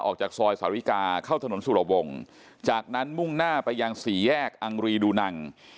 ออกจากซอยสาริกาเข้าถนนสุรวงจากนั้นมุ่งหน้าไปยังสี่แยกอังรีดูนัง